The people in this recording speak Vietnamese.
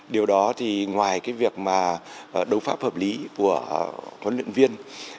điều đó thì ngoài cái việc mà đấu pháp hợp lý của huấn luyện viên